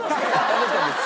あなたなんです。